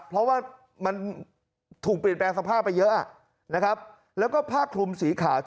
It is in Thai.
เพราะว่ามันถูกเปลี่ยนแปลงสภาพไปเยอะนะครับแล้วก็ผ้าคลุมสีขาว